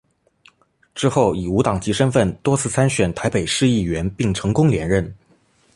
之后以无党籍身分多次参选台北市议员并成功连任。